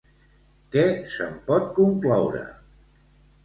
Què se'n pot concloure?